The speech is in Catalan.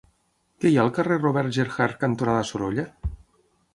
Què hi ha al carrer Robert Gerhard cantonada Sorolla?